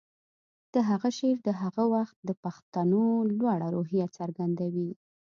د هغه شعر د هغه وخت د پښتنو لوړه روحیه څرګندوي